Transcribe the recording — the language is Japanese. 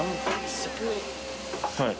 はい。